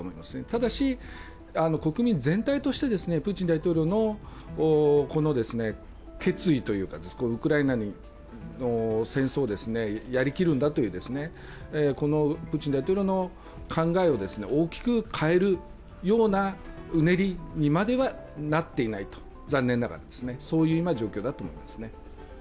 ただし、国民全体としてプーチン大統領のこの決意というかウクライナの戦争をやりきるんだという考えを大きく変えるようなうねりにまではなっていないと、残念ながらですね、そういうような状況だと思いますね。